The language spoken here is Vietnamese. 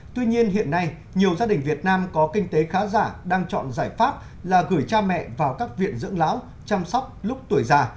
tuy nhiên hiện nay nhiều gia đình việt nam có kinh tế khá giả đang chọn giải pháp là gửi cha mẹ vào các viện dưỡng lão chăm sóc lúc tuổi già